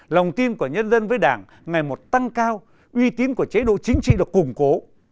lòng tin của nhân dân với đảng ngày một tăng cao uy tín của chế độ chính trị được củng cố